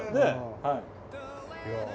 はい。